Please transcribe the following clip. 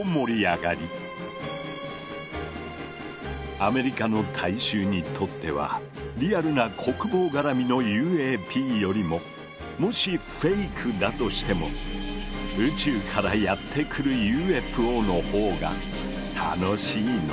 アメリカの大衆にとってはリアルな国防がらみのＵＡＰよりももしフェイクだとしても宇宙からやって来るＵＦＯのほうが楽しいのだ。